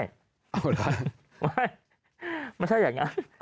ไม่ไม่ใช่อย่างนั้น